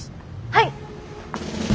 はい！